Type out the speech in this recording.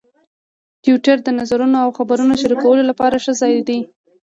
ټویټر د نظرونو او خبرونو شریکولو لپاره ښه ځای دی.